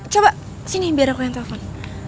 coba sini biar aku yang telpon